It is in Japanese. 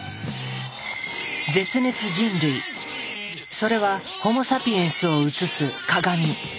それはホモ・サピエンスを映す鏡。